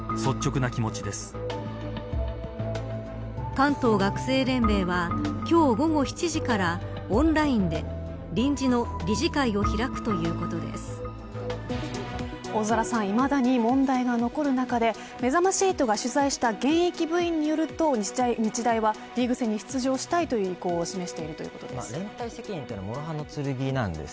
関東学生連盟は今日午後７時からオンラインで臨時の理事会を開くということで大空さんいまだに問題が残る中でめざまし８が取材した現役部員によると日大はリーグ戦に出場したい意向を示している連帯責任は諸刃の剣なんです。